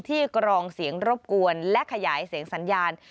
กรองเสียงรบกวนและขยายเสียงสัญญาณ